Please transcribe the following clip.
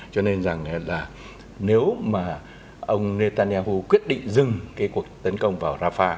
cho nên rằng là nếu mà ông netanyahu quyết định dừng cái cuộc tấn công vào rafah